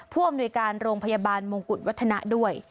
ผู้อำนวยการโรงพยาบาลมงกุฎวัฒนะด้วย